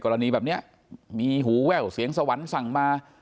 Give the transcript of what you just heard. กรณีแบบนี้มีหูแว่วเสียงสวรรค์สั่งมา